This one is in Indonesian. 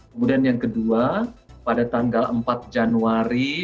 kemudian yang kedua pada tanggal empat januari dua ribu dua puluh dua